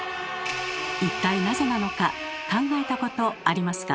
一体なぜなのか考えたことありますか？